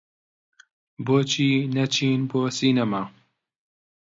بۆچی نەچین بۆ سینەما؟